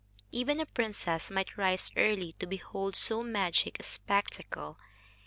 Even a princess might rise early to behold so magic a spectacle.